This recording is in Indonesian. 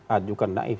aduh kan naif